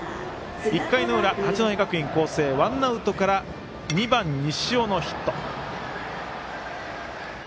１回の裏、八戸学院光星ワンアウトから２番、西尾のヒット。